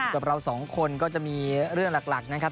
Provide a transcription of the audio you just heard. กับเราสองคนก็จะมีเรื่องหลักนะครับ